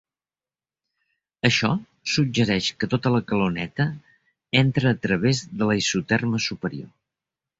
Això suggereix que tota la calor neta entra a través de la isoterma superior.